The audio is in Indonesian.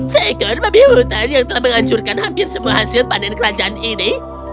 seekor babi hutan yang telah menghancurkan hampir semua hasil panen kerajaan ini